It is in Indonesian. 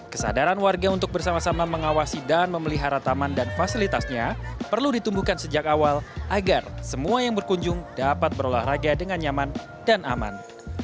kesadaran warga untuk bersama sama mengawasi dan memelihara taman dan fasilitasnya perlu ditumbuhkan sejak awal agar semua yang berkunjung dapat berolahraga dengan nyaman dan aman